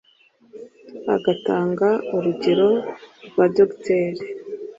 agatanga urugero rwa Dr